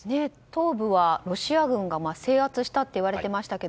東部は、ロシア軍が制圧したといわれていましたが